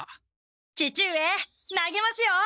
父上投げますよ！